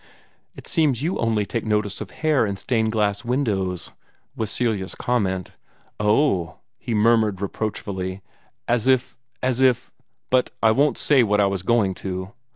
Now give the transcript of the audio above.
"It seems that you only take notice of hair in stained glass windows," was Celia's comment. "Oh h!" he murmured reproachfully, "as if as if but I won't say what I was going to."